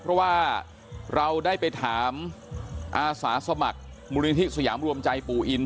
เพราะว่าเราได้ไปถามอาสาสมัครมูลนิธิสยามรวมใจปู่อิน